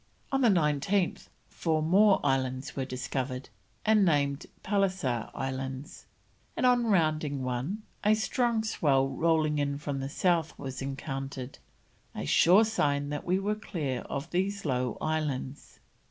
On the 19th four more islands were discovered, and named Pallisser Islands, and on rounding one a strong swell rolling in from the south was encountered, "a sure sign that we were clear of these low islands."